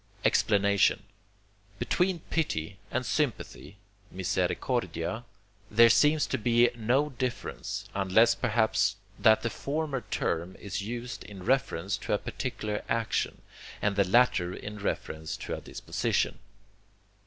Explanation Between pity and sympathy (misericordia) there seems to be no difference, unless perhaps that the former term is used in reference to a particular action, and the latter in reference to a disposition.